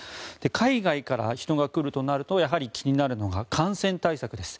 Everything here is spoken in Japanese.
海外から人が来るとなるとやはり気になるのが感染対策です。